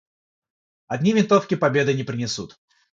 Одни винтовки победы не принесут.